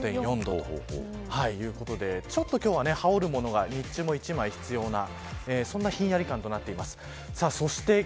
１４．４度ということでちょっと今日も羽織るものが日中も１枚必要なそんなひんやり感となっています。